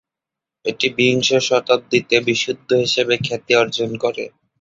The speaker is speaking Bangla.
এটি বিংশ শতাব্দীতে বিশুদ্ধ হিসেবে খ্যাতি অর্জন করে।